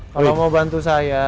kalau mau bantu saya